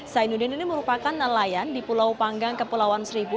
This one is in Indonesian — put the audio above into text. zainuddin ini merupakan nelayan di pulau panggang kepulauan seribu